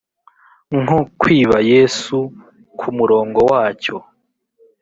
nk "kwiba yesu"? kumurongo wacyo